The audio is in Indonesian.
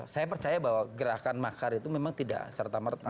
saya percaya bahwa gerakan makar itu memang tidak serta merta